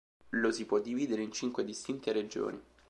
Lo si può dividere in cinque distinte regioni.